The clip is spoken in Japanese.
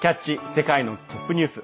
世界のトップニュース」。